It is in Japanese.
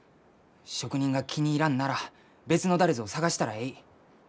職人が気に入らんなら別の誰ぞを探したらえい。